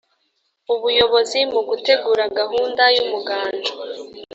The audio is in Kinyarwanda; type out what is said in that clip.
ubuyobozi mu gutegura gahunda y’umuganda.